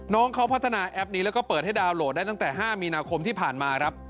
น้องเขาพัฒนาแอปนี้แล้วก็เปิดให้ดาวนโหลดได้ตั้งแต่๕มีนาคมที่ผ่านมาครับ